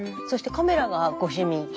そしてカメラがご趣味。